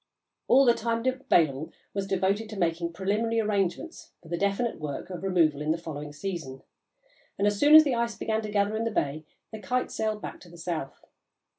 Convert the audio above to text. All the time available was devoted to making the preliminary arrangements for the definite work of removal in the following season, and, as soon as the ice began to gather in the bay, the Kite sailed back to the south.